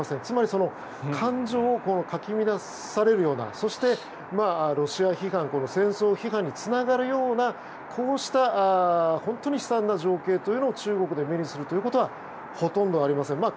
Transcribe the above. つまり感情をかき乱されるようなそして、ロシア批判戦争批判につながるようなこうした本当に悲惨な情景というのを中国で目にするということはほとんどありません。